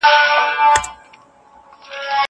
کېدای سي سينه سپين ستونزي ولري!!